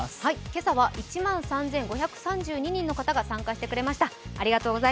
今朝は１万３５３２人の方が参加してくれました。